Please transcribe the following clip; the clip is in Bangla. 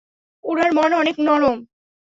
উনার মন অনেক নরম।